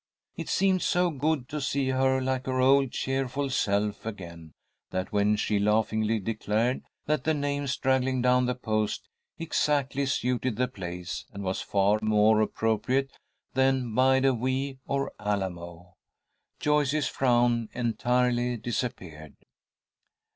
It seemed so good to see her like her old cheerful self again that, when she laughingly declared that the name straggling down the post exactly suited the place, and was far more appropriate than Bide a wee or Alamo, Joyce's frown entirely disappeared.